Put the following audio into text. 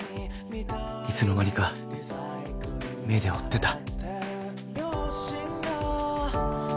いつの間にか目で追ってた